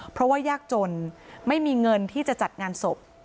เพราะว่ายากจนไม่มีเงินที่จะจัดงานศพ